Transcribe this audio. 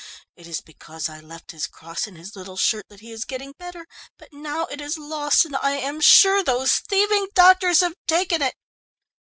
It is because I left his cross in his little shirt that he is getting better, but now it is lost and I am sure these thieving doctors have taken it."